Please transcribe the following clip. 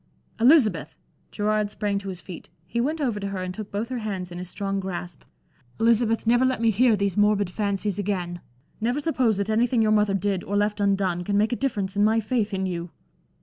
"Elizabeth!" Gerard sprang to his feet. He went over to her and took both her hands in his strong grasp. "Elizabeth, never let me hear these morbid fancies again. Never suppose that anything your mother did or left undone, can make a difference in my faith in you!"